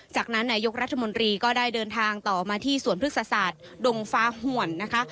จากนั้นนายกรัฐมนตรีก็ได้เดินทางต่อมาที่สวนพฤกษศาสตร์ดงฟ้าหวนนะคะ